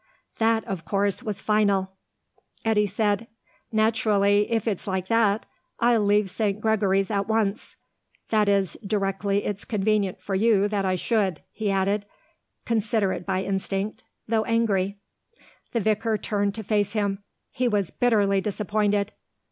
That, of course, was final. Eddy said, "Naturally, if it's like that, I'll leave St. Gregory's at once. That is, directly it's convenient for you that I should," he added, considerate by instinct, though angry. The vicar turned to face him. He was bitterly disappointed.